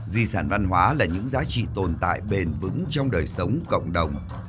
di sản văn hóa là những giá trị tồn tại bền vững trong đời sống cộng đồng